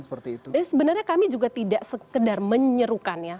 sebenarnya kami juga tidak sekedar menyerukan ya